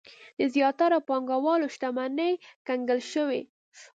د زیاترو پانګوالو شتمنۍ کنګل شوې.